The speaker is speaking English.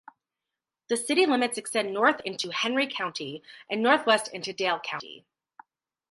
The city limits extend north into Henry County and northwest into Dale County.